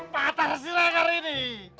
patah silang hari ini